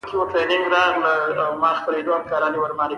کوتره خپل غږ له لرې اورېدلی شي.